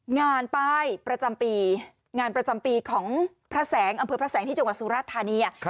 งานป้ายประจำปีงานประจำปีของพระแสงอำเภอพระแสงที่จังหวัดสุราชธานี